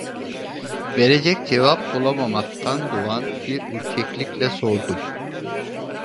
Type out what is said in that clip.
Verecek cevap bulamamaktan doğan bir ürkeklikle sordum: